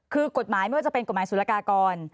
คือกฎหมายไม่ว่าจะเป็นกฎหมายสุรกากร